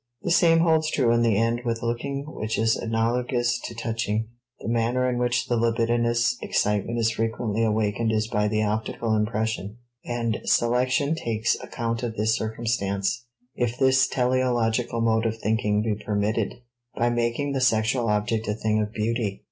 The same holds true in the end with looking which is analogous to touching. The manner in which the libidinous excitement is frequently awakened is by the optical impression, and selection takes account of this circumstance if this teleological mode of thinking be permitted by making the sexual object a thing of beauty.